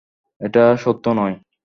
ঐটা সত্য নয়।